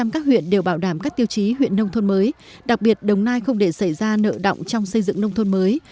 một trăm linh các huyện đều bảo đảm các tiêu chí huyện nông thôn mới đặc biệt đồng nai không để xảy ra nợ động trong xây dựng nông thôn mới